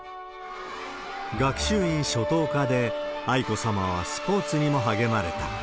学習院初等科で愛子さまはスポーツにも励まれた。